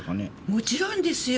もちろんですよ。